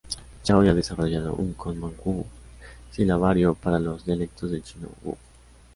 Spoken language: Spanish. Chao había desarrollado un "Common Wu Silabario" para los dialectos del chino wu.